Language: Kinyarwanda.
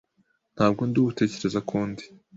Ntabwo ndi uwo utekereza ko ndi.